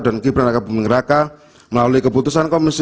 dan gibran raka buming raka melalui keputusan komisi